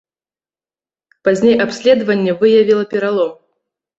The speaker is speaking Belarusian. Пазней абследаванне выявіла пералом.